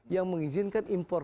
yang mengizinkan impor